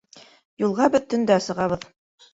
Юлға беҙ төндә сығабыҙ.